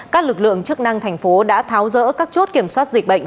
các lực lượng chức năng thành phố đã tháo rỡ các chốt kiểm soát dịch bệnh